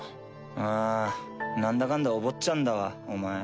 ああなんだかんだお坊ちゃんだわお前。